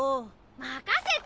任せて！